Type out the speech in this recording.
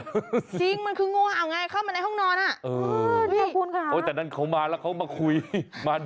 โอ้โฮนี่มันโผ่หัวมาอีกแล้วใช่ค่ะโอ้โฮนี่มันโผ่หัวมาอีกแล้ว